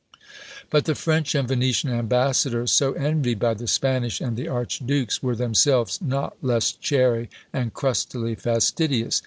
But the French and Venetian ambassadors, so envied by the Spanish and the archduke's, were themselves not less chary, and crustily fastidious.